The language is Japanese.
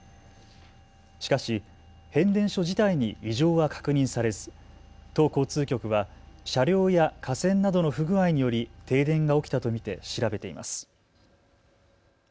しかし変電所自体に異常は確認されず、都交通局は車両や架線などの不具合により停電が起きたと見て調べています。